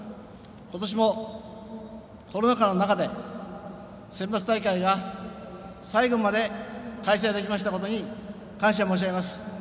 ことしもコロナ禍の中でセンバツ大会が最後まで開催できましたことに感謝申し上げます。